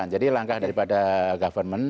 jadi langkah daripada government